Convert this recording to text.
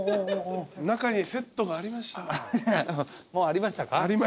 中にセットがありましたわ。